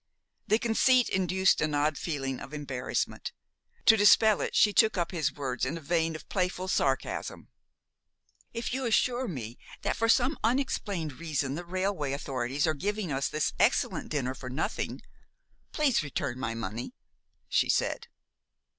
The conceit induced an odd feeling of embarrassment. To dispel it she took up his words in a vein of playful sarcasm. "If you assure me that for some unexplained reason the railway authorities are giving us this excellent dinner for nothing, please return my money," she said.